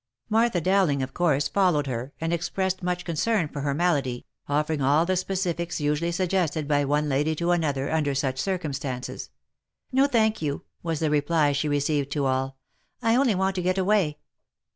Martha Dowling, of course, followed her, and expressed much con cern for her malady, offering all the specifics usually suggested by one lady to another, under such circumstances. " No, thank you," was the reply she received to all, " I only want to get away."